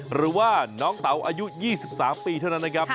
หรือว่าน้องเต๋าอายุ๒๓ปีเท่านั้นนะครับ